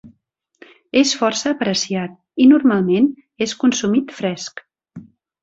És força apreciat i, normalment, és consumit fresc.